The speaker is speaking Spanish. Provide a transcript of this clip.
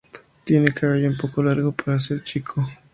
Tiene cabello un poco largo, para ser un chico.